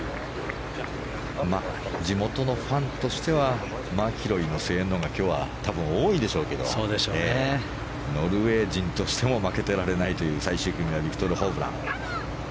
地元のファンとしてはマキロイの声援のほうが今日は多分多いでしょうけどノルウェー人としても負けてられないという最終組のビクトル・ホブラン。